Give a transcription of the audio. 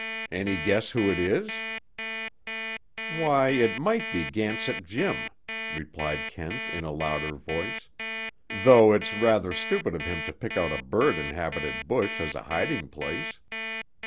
"Any guess who it is?" "Why it might be Gansett Jim," replied Kent in a louder voice. "Though it's rather stupid of him to pick out a bird inhabited bush as a hiding place."